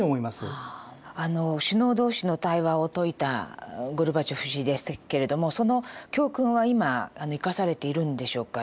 首脳同士の対話を説いたゴルバチョフ氏でしたけれどもその教訓は今生かされているんでしょうか？